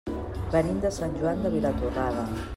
Venim de Sant Joan de Vilatorrada.